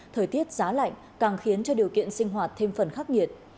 thời tiết giá lạnh càng khiến cho điều kiện sinh hoạt thêm phần khắc nghiệt